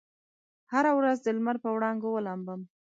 هره ورځ دلمر په وړانګو ولامبم